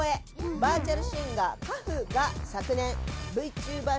バーチャルシンガー花譜が昨年ＶＴｕｂｅｒ